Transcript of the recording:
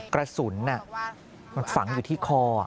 กระสุนมันฝังอยู่ที่คอ